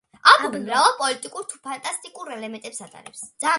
ალბომი მრავალ პოლიტიკურ თუ ფანტასტიკურ ელემენტებს ატარებს.